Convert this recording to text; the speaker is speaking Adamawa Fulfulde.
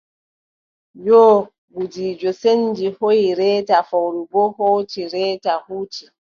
Yoo gudiijo senndi hooyi reeta fowru boo hooci reete huuci.